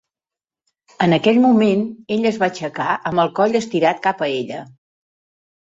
En aquell moment ell es va aixecar amb el coll estirat cap a ella.